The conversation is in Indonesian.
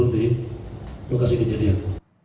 di lokasi di jadul